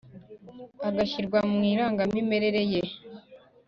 agashyirwa mu irangamimerere ye